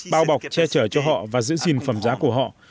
bao bọc che chở cho họ và giữ gìn phẩm giá của họ